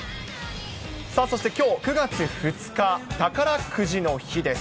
さあ、そしてきょう９月２日、宝くじの日です。